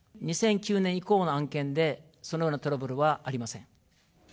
２００９年以降の案件でそのようなトラブルはありません。